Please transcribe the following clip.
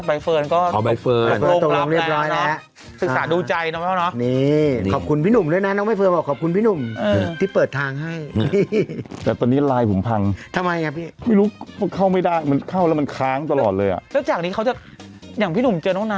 ใบเฟิร์นก็ตกลงกลับแล้วนะศึกษาดูใจแล้วเนอะนะ